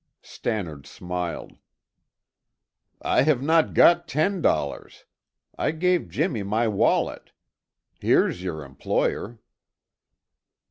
Stannard smiled. "I have not got ten dollars; I gave Jimmy my wallet. He's your employer."